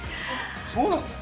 そうなの？